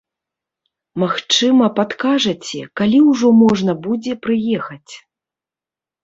Магчыма, падкажаце, калі ўжо можна будзе прыехаць?